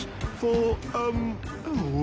うん。